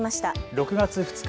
６月２日